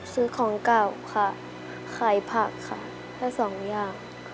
ซื้อของเก่าค่ะขายผักค่ะได้สองอย่าง